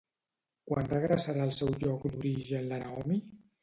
Quan regressarà al seu lloc d'origen la Naomi?